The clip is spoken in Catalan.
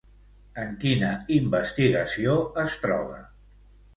En quina investigació es troba?